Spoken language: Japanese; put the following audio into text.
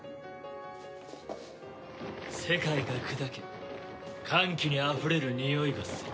世界が砕け歓喜にあふれるにおいがする。